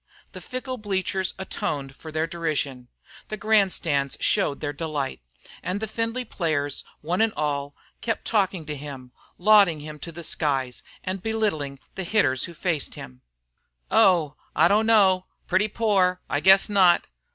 The fickle bleachers atoned for their derision, the grandstands showed their delight; and the Findlay players, one and all, kept talking to him, lauding him to the skies, and belittling the hitters who faced him. "Oh! I don't know! Pretty poor, I guess not!"